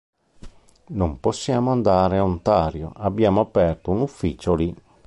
Non possiamo andare Ontario; abbiamo aperto un ufficio lì.